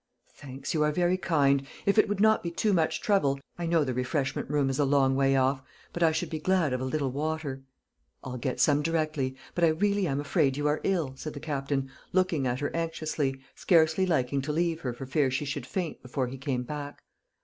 "Thanks, you are very kind. If it would not be too much trouble I know the refreshment room is a long way off but I should be glad of a little water." "I'll get some directly. But I really am afraid you are ill," said the Captain, looking at her anxiously, scarcely liking to leave her for fear she should faint before he came back.